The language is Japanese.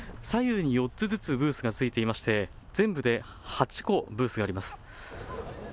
左右に４つずつブースがついていまして全部で８個ブースがあります。